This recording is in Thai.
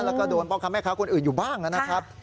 แล้วก็โดนพ่อค้าแม่ค้าคนอื่นอยู่บ้างนะครับ